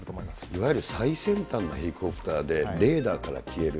いわゆる最先端のヘリコプターで、レーダーから消える。